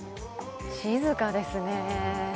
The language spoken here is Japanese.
静かですね。